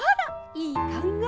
いいかんがえ。